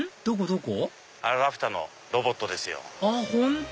どこ？